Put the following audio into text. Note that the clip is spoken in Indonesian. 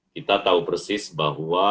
kita tahu persis bahwa